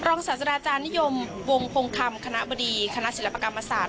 รองศาสดาอาจารย์นิยมวงเพลิงคำคณะบดีคณะศิลปกรรมศาสตร์